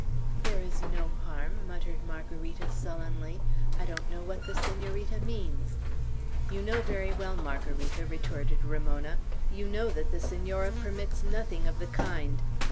"There is no harm," muttered Margarita, sullenly. "I don't know what the Senorita means." "You know very well, Margarita," retorted Ramona. "You know that the Senora permits nothing of the kind.